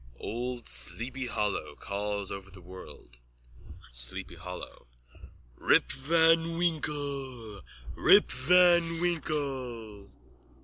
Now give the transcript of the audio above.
(Old Sleepy Hollow calls over the wold.) SLEEPY HOLLOW: Rip van Wink! Rip van Winkle!